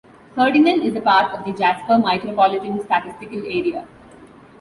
Ferdinand is part of the Jasper Micropolitan Statistical Area.